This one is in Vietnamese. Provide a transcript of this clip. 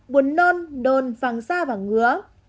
buồn nôn nôn vàng da và ngứa